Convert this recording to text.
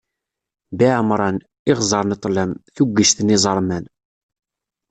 Biɛemṛan, iɣzeṛ n ṭṭlam, tuggict n yiẓerman.